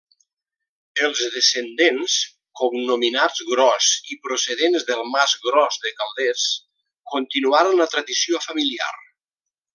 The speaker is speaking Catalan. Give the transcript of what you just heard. Els descendents, cognominats Gros i procedents del mas Gros de Calders, continuaren la tradició familiar.